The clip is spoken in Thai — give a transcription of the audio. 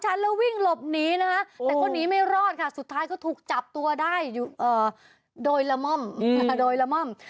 ฉันแล้ววิ่งหลบหนีนะคะแต่ก็หนีไม่รอดค่ะสุดท้ายก็ถูกจับตัวได้โดยละม่อมโดยละม่อม